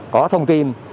có thông tin